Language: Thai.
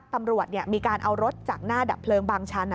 ตำรวจมีการเอารถจากหน้าดับเพลิงบางชั้น